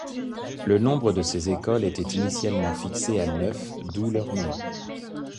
Le nombre de ces écoles était initialement fixé à neuf, d'où leur nom.